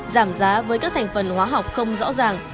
giảm giá với các thành phần hóa học không rõ ràng